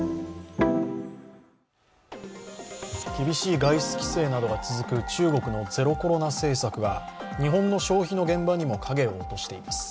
厳しい外出規制などが続く中国のゼロコロナ政策が日本の消費の現場にも影を落としています。